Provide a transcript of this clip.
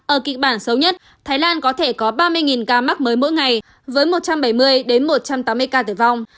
ở kịch bản xấu nhất thái lan có thể có ba mươi ca mắc mới mỗi ngày với một trăm bảy mươi một trăm tám mươi ca tử vong